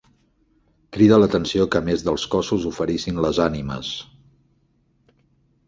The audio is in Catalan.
Crida l'atenció que a més dels cossos oferissin les ànimes.